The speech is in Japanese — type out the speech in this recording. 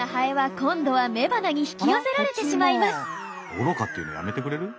愚かって言うのやめてくれる？